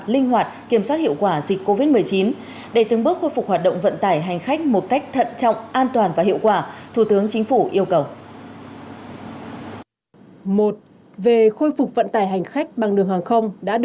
linh hoạt kiểm soát hiệu quả dịch covid một mươi chín để từng bước khôi phục hoạt động vận tải hành khách một cách thận trọng an toàn và hiệu quả thủ tướng chính phủ yêu cầu